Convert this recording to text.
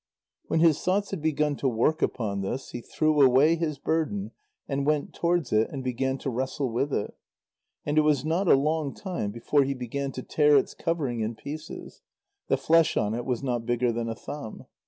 When his thoughts had begun to work upon this, he threw away his burden and went towards it and began to wrestle with it. And it was not a long time before he began to tear its covering in pieces; the flesh on it was not bigger than a thumb.